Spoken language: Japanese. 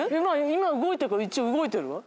今動いたから一応動いてるわ。